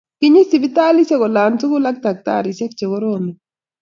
Kinyi sipitalishek olatukul ak taktariek che koromeen